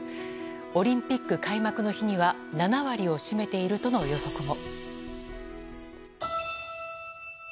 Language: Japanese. オリンピック開幕の日には７割を占めているとの予測も。